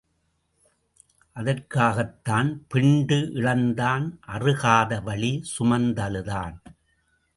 அறக்காத்தான் பெண்டு இழந்தான் அறுகாத வழி சுமந்து அழுதான்.